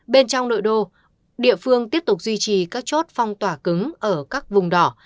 bên trong nội đô địa phương tiếp tục duy trì các chốt phong tỏa cứng ở các vùng đỏ